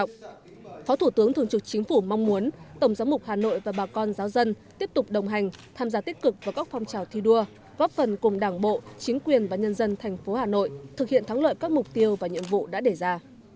trò chuyện thân tình với tổng giám mục du sê vũ văn thiên phó thủ tướng thường trực chính phủ mong muốn tổng giám mục hà nội và bà con giáo dân tiếp tục đồng hành tham gia tích cực vào các phong trào thi đua góp phần cùng đảng bộ chính quyền và nhân dân thành phố hà nội thực hiện thắng lợi các mục tiêu và nhiệm vụ đã đề ra